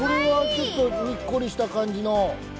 ちょっとにっこりしたかんじの。